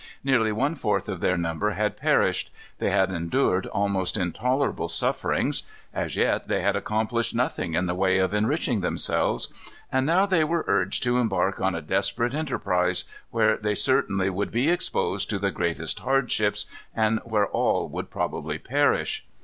Nearly one fourth of their number had perished. They had endured almost intolerable sufferings. As yet they had accomplished nothing in the way of enriching themselves. And now they were urged to embark on a desperate enterprise, where they certainly would be exposed to the greatest hardships, and where all would probably perish.